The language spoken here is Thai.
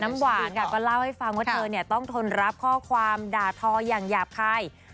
น้ำหวานค่ะก็เล่าให้ฟังว่าเธอต้องทนรับข้อความด่าทออย่างหยาบคาย